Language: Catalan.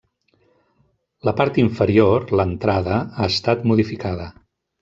La part inferior, l'entrada, ha estat modificada.